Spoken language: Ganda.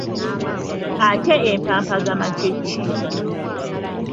Ate empampagama kye ki?